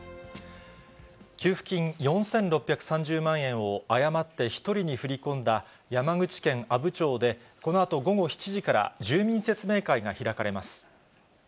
給付金４６３０万円を誤って１人に振り込んだ、山口県阿武町で、このあと午後７時から、住民説明会が開かれます。